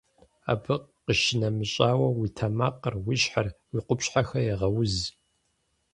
Абы къищынэмыщӏауэ, уи тэмакъыр, уи щхьэр, уи къупщхьэхэр егъэуз.